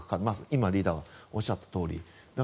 今、リーダーがおっしゃったとおり。